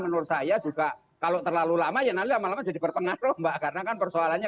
menurut saya juga kalau terlalu lama ya nanti lama lama jadi berpengaruh mbak karena kan persoalannya